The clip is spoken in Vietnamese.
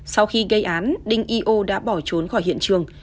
sau khi gây án đinh yo đã bỏ trốn khỏi hiện trường